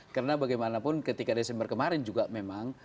karena bagaimanapun ketika desember kemarin juga memang